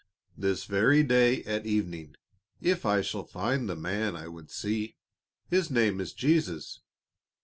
"This very day at evening, if I shall find the man I would see. His name is Jesus.